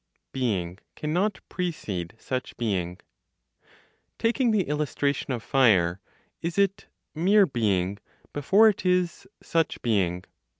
BEING CANNOT PRECEDE SUCH BEING. Taking the illustration of fire, is it "mere being" before it is "such being?"